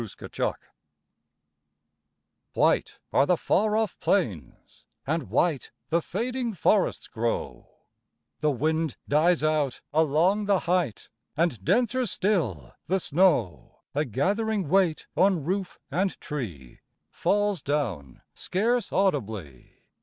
SNOW White are the far off plains, and white The fading forests grow; The wind dies out along the height, And denser still the snow, A gathering weight on roof and tree, Falls down scarce audibly.